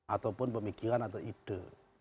ataupun pemikiran atau ide